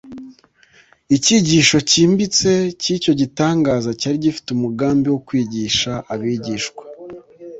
Icyigisho cyimbitse cy'icyo gitangaza cyari gifite umugambi wo kwigisha abigishwa,